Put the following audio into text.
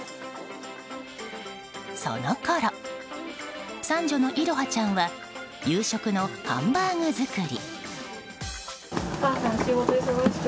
そのころ、三女の彩巴ちゃんは夕食のハンバーグ作り。